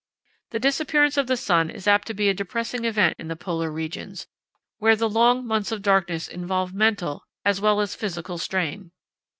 The disappearance of the sun is apt to be a depressing event in the polar regions, where the long months of darkness involve mental as well as physical strain.